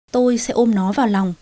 tôi sẽ ôm nó vào lòng